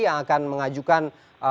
yang akan mengajukan